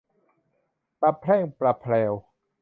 ประแพร่งประแพรว